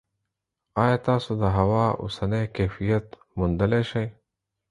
ایا تاسو د هوا اوسنی کیفیت موندلی شئ؟